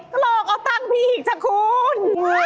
หลอกเอาตังค์พี่อีกจ้ะคุณ